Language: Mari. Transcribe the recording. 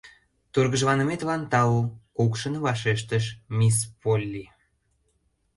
— Тургыжланыметлан тау, — кукшын вашештыш мисс Полли.